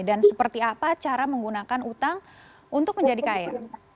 dan seperti apa cara menggunakan utang untuk menjadi kaya